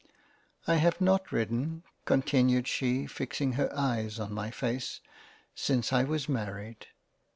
" I have not ridden, continued she fixing her Eyes on my face, since I was married."